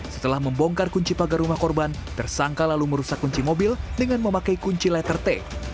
setelah membongkar kunci pagar rumah korban tersangka lalu merusak kunci mobil dengan memakai kunci letter t